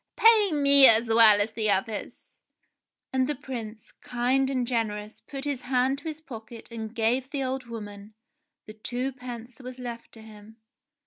Pay me as well as the others." And the Prince, kind and generous, put his hand to his pocket and gave the old woman the twopence that was left to him.